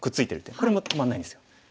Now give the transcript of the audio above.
これも止まんないんですよ。